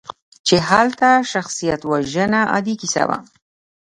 چې هلته شخصیتوژنه عادي کیسه وه.